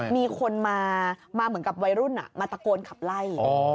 มีคนมาเหมือนกับวัยรุ่นมาตะโกนขับไล่